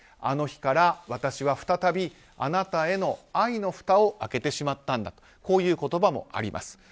あの日から私は再びあなたへの愛のふたを開けてしまったんだとこういう言葉もあります。